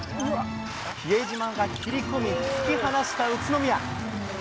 比江島が切り込み突き放した宇都宮。